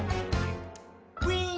「ウィン！」